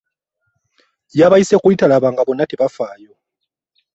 Yabayise ku litalaba nga bonna tebafaayo.